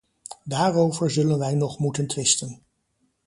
Daarover zullen wij nog moeten twisten.